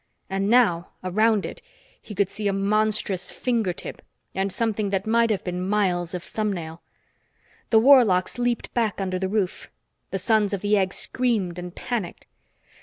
And now, around it, he could see a monstrous fingertip and something that might have been miles of thumbnail. The warlocks leaped back under the roof. The Sons of the Egg screamed and panicked.